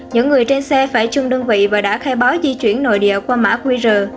những người trên xe phải chung đơn vị và đã khai báo di chuyển nội địa qua mã qr